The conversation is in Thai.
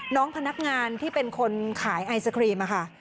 น้องพนักงานที่เป็นคนขายไอศครีมค่ะ